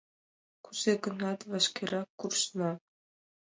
— Кузе-гынат вашкерак куржына.